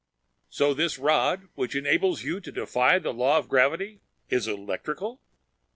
"So this rod, which enables you to defy the law of gravity, is electrical?"